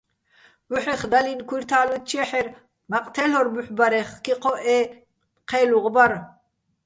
ბუჰ̦ეხ დალინო̆ ქუჲრთა́ლ უ́ჲთთჩეჰ̦ერ, მაყ თე́ლ'ორ ბუჰ̦ ბარეხ, ქიქოჸ ე ჴე́ლუღ ბარ.